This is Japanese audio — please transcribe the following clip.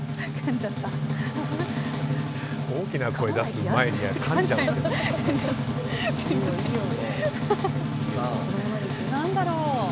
大きな声出す前にかんじゃう。